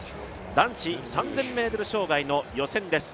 男子３０００ｍ障害の予選です。